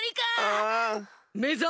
めざ！